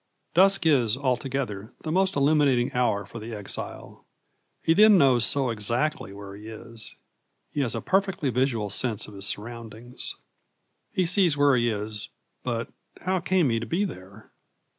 Dusk is altogether the most illuminating hour for the exile; he then knows so exactly where he is; he has a perfectly visual sense of his surroundings. He sees where he is, but how came he to be there?